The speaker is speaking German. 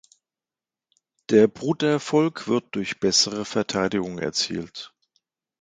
Der Bruterfolg wird durch bessere Verteidigung erzielt.